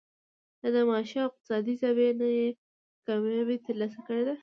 د معاشي او اقتصادي زاويې نه ئې کاميابي تر لاسه کړې ده